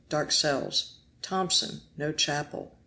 Dark cells. Tomson. No chapel.